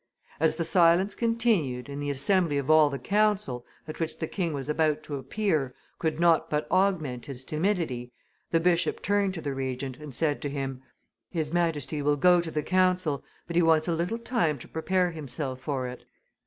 As the silence continued, and the assembly of all the council, at which the king was about to appear, could not but augment his timidity, the bishop turned to the Regent, and said to him, 'His Majesty will go to the council, but he wants a little time to prepare himself for it.